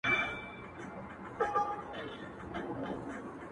که موږ د مرکې او جرګې نوم اورو